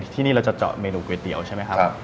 ที่นี่เราจะเจาะเมนูก๋วยเตี๋ยวใช่ไหมครับ